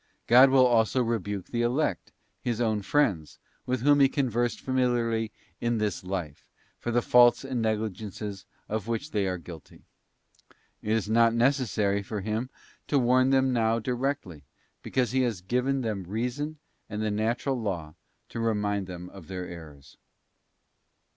God will also rebuke the Elect, His own friends, with whom he conversed familiarly in this life, for the faults and negligences of which they are guilty. It is not necessary for Him to warn them now directly, because He has given them Reason and the Natural Law to remind them of their errors.